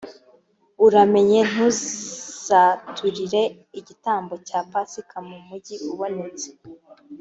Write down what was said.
uramenye ntuzaturire igitambo cya pasika mu mugi ubonetse